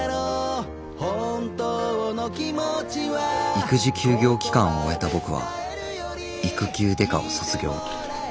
育児休業期間を終えた僕は育休刑事を卒業。